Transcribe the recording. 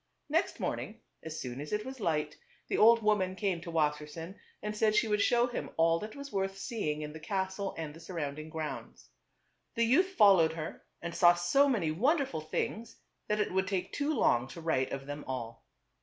Next morning as soon as it was light, the old woman came to Wassersein and said she would that was worth seeing in the castle and the surrounding grounds. The youth fol lowed her and saw so many wonderful things that it would take too long to write of them all.